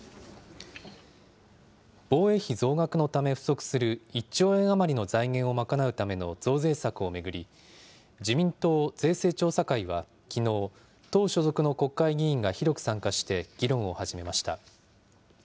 防衛費増額のため不足する１兆円余りの財源を賄うための増税策を巡り、自民党税制調査会はきのう、党所属の国会議員が広く参加して議論を始めました。